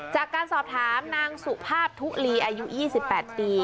จากการสอบถามนางสุภาพทุลีอายุ๒๘ปี